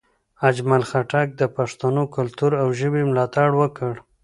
اجمل خټک د پښتنو کلتور او ژبې ملاتړ وکړ.